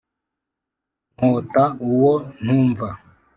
nkwota uwo ntumva